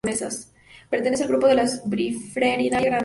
Pertenece al grupo de las "Bifrenaria" grandes.